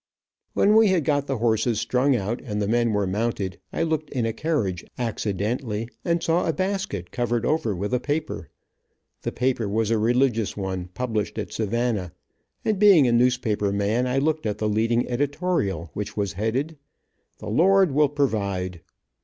When we had got the horses strung out, and the men were mounted, I looked in a carriage, accidentally, and saw a basket, covered over with a paper. The paper was a religious one, published at Savannah, and being a newspaper man, I looked at the leading editorial, which was headed, "The Lord will provide."